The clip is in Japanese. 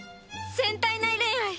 戦隊内恋愛！